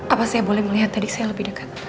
apa saya boleh melihat tadi saya lebih dekat